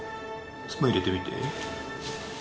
スプーン入れてみて。